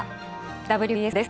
「ＷＢＳ」です。